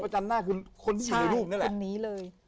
คนที่อยู่ในรูปนี้แหละใช่คนนี้เลย